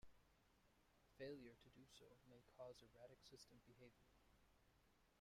Failure to do so may cause erratic system behavior.